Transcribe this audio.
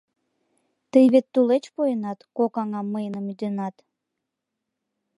Тый вет тулеч поенат кок аҥам мыйыным ӱденат.